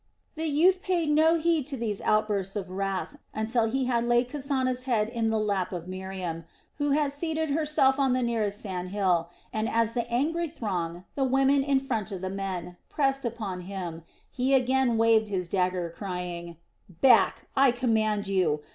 The youth paid no heed to these outbursts of wrath until he had laid Kasana's head in the lap of Miriam, who had seated herself on the nearest sand hill, and as the angry throng, the women in front of the men, pressed upon him, he again waved his dagger, crying: "Back I command you.